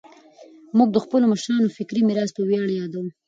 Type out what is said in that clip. موږ د خپلو مشرانو فکري میراث په ویاړ یادوو.